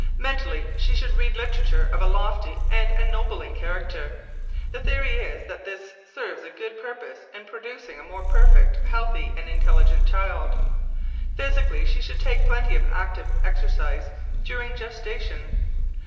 Mentally she should read literature of a lofty and ennobling character. The theory is that this serves a good purpose in producing a more perfect, healthy and intelligent child. Physically, she should take plenty of active exercise during gestation.